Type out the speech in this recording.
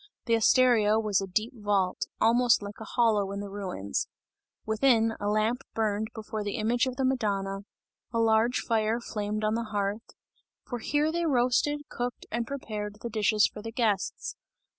The osteria was a deep vault, almost like a hollow in the ruins; within, a lamp burned before the image of the Madonna; a large fire flamed on the hearth, for here they roasted, cooked and prepared the dishes for the guests.